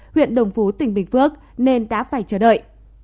huyện đồng phú tỉnh bình phước nên đã phải chờ đợi